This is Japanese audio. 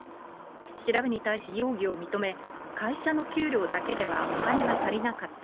調べに対し容疑を認め、会社の給料だけではお金が足りなかった。